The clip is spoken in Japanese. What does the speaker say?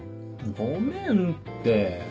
ごめんって。